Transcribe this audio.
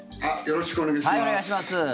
よろしくお願いします。